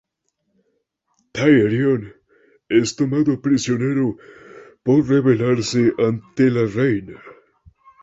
Tyrion es tomado prisionero por rebelarse ante la Reina.